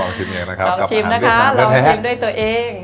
ลองชิมนะคะลองชิมด้วยตัวเอง